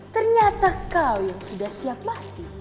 ternyata kau yang sudah siap mati